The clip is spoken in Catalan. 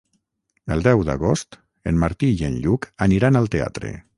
El deu d'agost en Martí i en Lluc aniran al teatre.